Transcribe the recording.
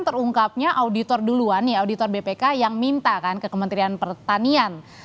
terungkapnya auditor duluan ya auditor bpk yang minta kan ke kementerian pertanian